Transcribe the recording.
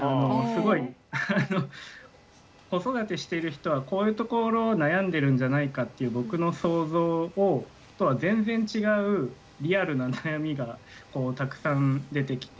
すごいあの子育てしてる人はこういうところ悩んでるんじゃないかっていう僕の想像とは全然違う今村さん。